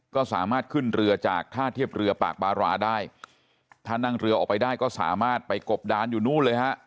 ก็สามารถขึ้นเรือจากท่าเทียบเรือปากบาราได้ถ้านั่งเรือออกไปได้ก็สามารถไปกบดานอยู่นู่นเลยฮะ